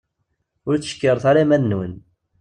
Ur ttcekkiret ara iman-nwen.